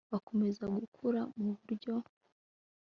bakomeza gukura mu buryo